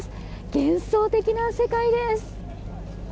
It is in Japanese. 幻想的な世界です。